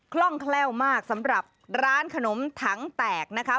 คล่องแคล่วมากสำหรับร้านขนมถังแตกนะคะ